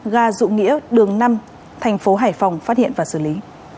gà dụ nghĩa đường năm tp hải phòng phát hiện và xử lý